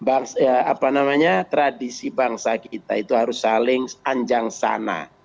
apa namanya tradisi bangsa kita itu harus saling anjang sana